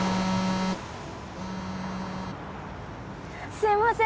すいません